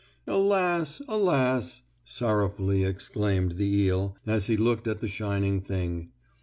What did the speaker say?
"Alas! Alas!" sorrowfully exclaimed the eel, as he looked at the shining thing.